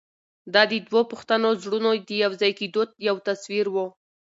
دا د دوو پښتنو زړونو د یو ځای کېدو یو تصویر و.